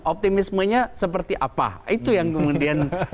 optimismenya seperti apa itu yang kemudian